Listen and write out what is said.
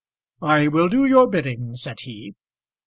"I will do your bidding," said he.